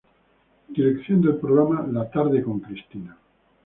Dirección del programa "La tarde con Cristina".